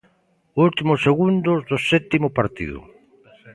Últimos segundos do sétimo partido.